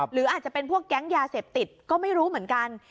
หรืออาจจะเป็นพวกแก๊งยาเสพติดก็ไม่รู้เหมือนกัน